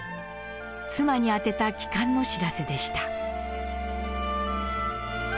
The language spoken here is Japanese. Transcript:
妻に宛てた帰還の知らせでした。